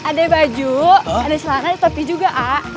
ada baju ada celana ada topi juga a a t